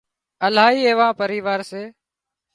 الاهي ايوا پريوار سي